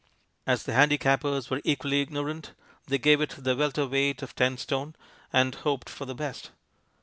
As the handi cappers were equally ignorant, they gave it the welter weight of ten stone, and hoped for the best.